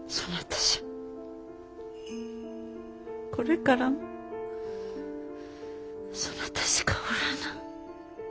これからもそなたしかおらぬ。